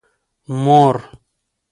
مور